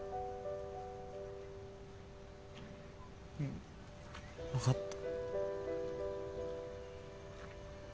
うん分かった。